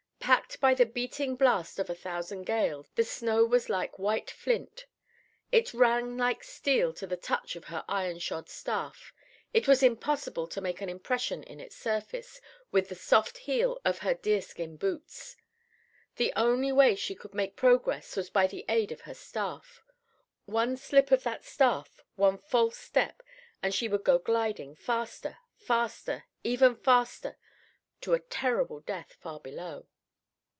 Packed by the beating blast of a thousand gales, the snow was like white flint. It rang like steel to the touch of her iron shod staff. It was impossible to make an impression in its surface with the soft heel of her deerskin boots. The only way she could make progress was by the aid of her staff. One slip of that staff, one false step, and she would go gliding, faster, faster, ever faster, to a terrible death far below.